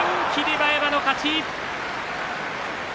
馬山の勝ち。